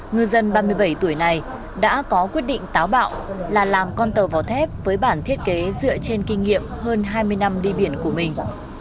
ngư dân ba mươi bảy tuổi này đã có quyết định táo bạo là làm con tàu vỏ thép với bản thiết kế dựa trên kinh nghiệm hơn hai mươi năm đi biển của mình